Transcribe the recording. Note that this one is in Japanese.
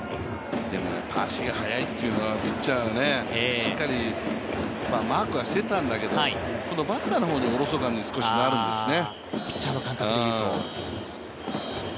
でも足が速いというのはピッチャー、しっかりマークはしていたんだけれどもこのバッターの方がおろそかにちょっとなるんですよね。